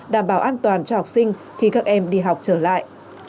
đảm bảo an toàn cho học sinh khi các em đi học trở lại